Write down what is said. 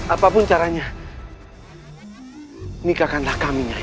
apapun caranya nikahkanlah kami naya